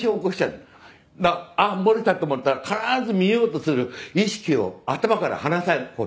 だからあっ漏れたと思ったら必ず見ようとする意識を頭から離さない事。